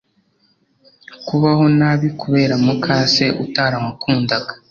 kubaho nabi kubera mu kase utaramukundaga